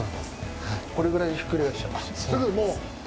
これぐらいでひっくり返しちゃうんですよ。